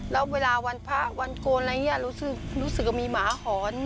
แล้วเวลาวันพระวันโกนอะไรอย่างนี้รู้สึกว่ามีหมาหอน